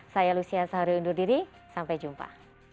saya lucia sahari undur diri sampai jumpa